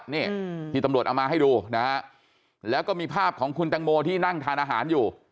นี่ที่ตำรวจเอามาให้ดูนะฮะแล้วก็มีภาพของคุณตังโมที่นั่งทานอาหารอยู่